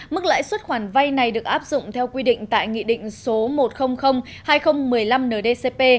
mức lãi suất khoản vai này được áp dụng theo quy định tại nghị định số một triệu hai nghìn một mươi năm ndcp